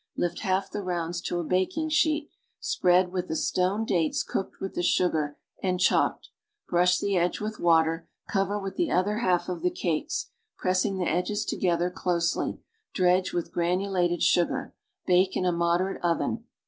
Lift half the rounds to a baking sheet, spread with the stoned dates cooked with the sugar and chopped, brush the edge with water, cover with the other half of the cakes, pressing the edges together closely, dredge with granu lated sugar. Bake in a moderate oven.